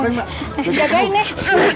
hai berhenti jagain nih